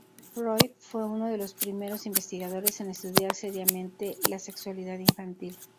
Freud fue uno de los primeros investigadores en estudiar seriamente la sexualidad infantil.